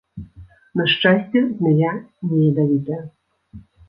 На шчасце, змяя не ядавітая.